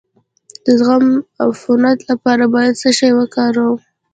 د زخم د عفونت لپاره باید څه شی وکاروم؟